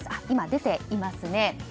今、出ていますね。